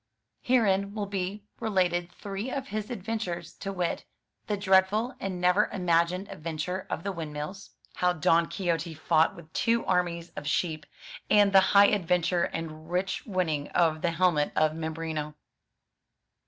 Herein will be related three of his adventures, to wit: The Dreadful and Never Imagined Adventure of the Windmills; How 91 M Y BOOK HOUSE Don Quixote Fought with Two Armies of Sheep and The High Adventure and Rich Winning of the Helmet of Mambrino.